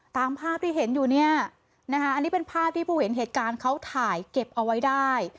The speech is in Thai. ตามภาพที่เห็นอยู่เนี่ยนะคะอันนี้เป็นภาพที่ผู้เห็นเหตุการณ์เขาถ่ายเก็บเอาไว้ได้